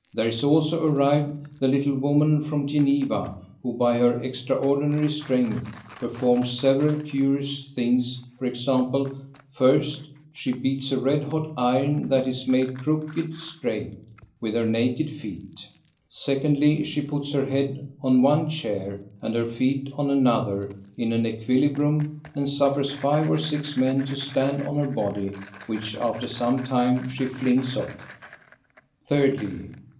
There is also arrived the little woman from Geneva, who, by her extraordinary strength, performs several curious things, viz. 1st. She beats a red hot iron that is made crooked straight with her naked feet. 2ndly. She puts her head on one chair, and her feet on another, in an equilibrium, and suffers five or six men to stand on her body, which after some time she flings off. 3rdly.